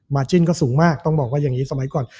จิ้นก็สูงมากต้องบอกว่าอย่างนี้สมัยก่อน